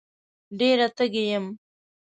ډېره تږې یم